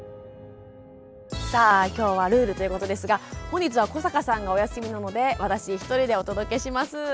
さあ今日はルールということですが本日は古坂さんがお休みなので私一人でお届けします。